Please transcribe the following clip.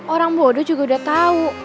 orang bodoh juga udah tahu